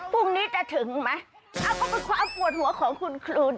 พรุ่งนี้จะถึงไหมเอาก็เป็นความปวดหัวของคุณครู